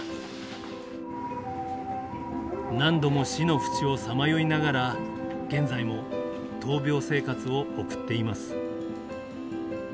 何度も死のふちをさまよいながら現在も闘病生活を送っています。